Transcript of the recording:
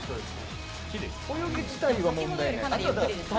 泳ぎ自体は問題ないですか。